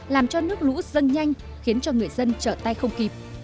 làm cho nước lũ dâng nhanh khiến cho người dân trở tay không kịp